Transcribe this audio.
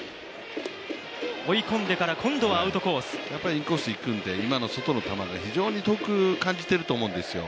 インコースいくんで、今の外の球が非常に遠く感じていると思うんですよ。